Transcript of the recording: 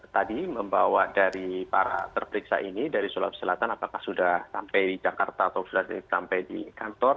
tadi membawa dari para terperiksa ini dari sulawesi selatan apakah sudah sampai di jakarta atau sudah sampai di kantor